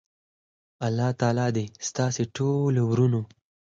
الله تعالی دی ستاسی ټولو ورونو